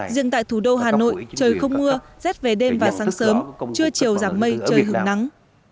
riêng tại thủ đô hà nội trời không mưa rét về đêm và sáng sớm trưa chiều giảm mây trời hứng nắng